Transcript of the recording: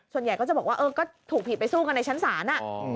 ส่วนใหญ่ก็จะบอกว่าเออก็ถูกผิดไปสู้กันในชั้นศาล